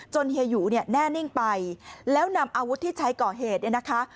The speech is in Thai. เฮียหยูเนี่ยแน่นิ่งไปแล้วนำอาวุธที่ใช้ก่อเหตุเนี่ยนะคะ